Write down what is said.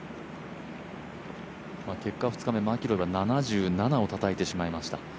結果、２日目、マキロイは７７をたたいてしまいました。